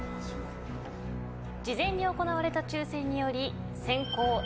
事前に行われた抽選により先攻遠坂さん